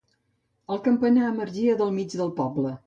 El campanar emergia del mig del poble.